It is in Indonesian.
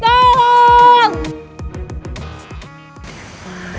tidak ada siapa lagi